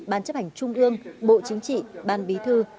ban chấp hành trung ương bộ chính trị ban bí thư